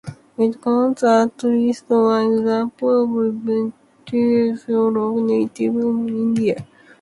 It contains at least one example of every type of rock native to Indiana.